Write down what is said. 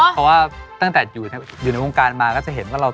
เพราะว่าตั้งแต่อยู่ในวงการมาก็จะเห็นว่าเรา